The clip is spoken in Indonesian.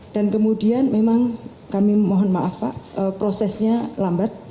dan kemudian memang kami mohon maaf pak prosesnya lambat